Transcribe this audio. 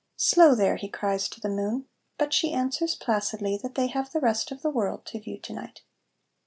"Slow, there!" he cries to the moon, but she answers placidly that they have the rest of the world to view to night.